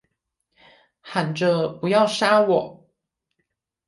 喊着不要杀我